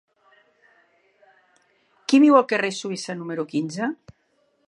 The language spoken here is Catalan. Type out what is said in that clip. Qui viu al carrer de Suïssa número quinze?